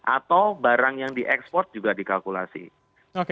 atau barang yang diekspor juga dikalkulasi